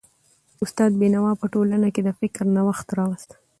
استاد بينوا په ټولنه کي د فکر نوښت راوست.